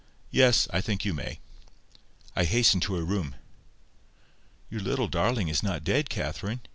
"Yes: I think you may." I hastened to her room. "Your little darling is not dead, Catherine.